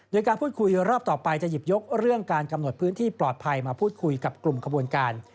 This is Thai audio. โดยการพูดคุยรอบต่อไปจะหยิบยกเรื่องการกำหนดพื้นที่ปลอดภัยมาพูดคุยกับกลุ่มขบวนการ